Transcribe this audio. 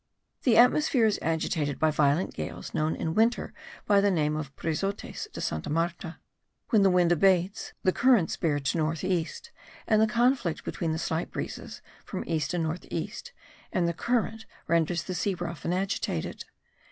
The atmosphere is agitated by violent gales known in winter by the name of the brizotes de Santa Marta. When the wind abates, the currents bear to north east, and the conflict between the slight breezes (from east and north east) and the current renders the sea rough and agitated.